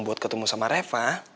buat ketemu sama reva